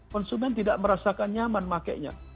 konsumen tidak merasakan nyaman pakainya